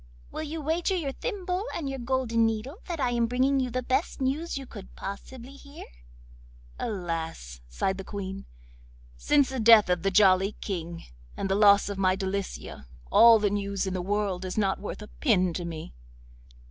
will you wager your thimble and your golden needle that I am bringing you the best news you could possibly hear?' 'Alas!' sighed the Queen, 'since the death of the Jolly King and the loss of my Delicia, all the news in the world is not worth a pin to me.